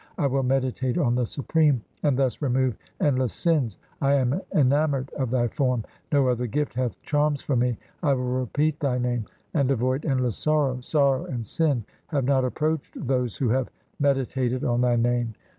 I will meditate on the Supreme, And thus remove endless sins. I am enamoured of Thy form ; No other gift hath charms for me. I will repeat Thy name, And avoid endless sorrow. Sorrow and sin have not approached those Who have meditated on Thy name.